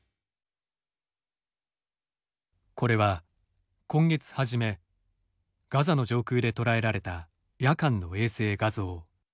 これは今月初めガザの上空で捉えられた夜間の衛星画像。